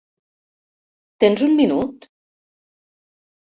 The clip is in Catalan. Tens un minut?